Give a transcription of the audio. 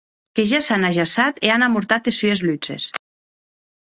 Que ja s’an ajaçat e an amortat es sues lutzes.